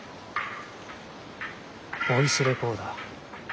ボイスレコーダー？